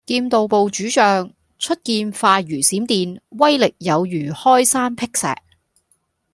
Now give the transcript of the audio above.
劍道部主將，出劍快如閃電，威力有如開山闢石